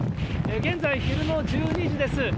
現在、昼の１２時です。